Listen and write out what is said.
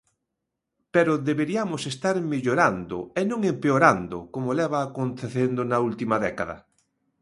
Pero deberiamos estar mellorando e non empeorando, como leva acontecendo na última década.